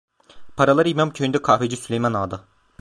Paralar İmamköyü'nde kahveci Süleyman Ağa'da!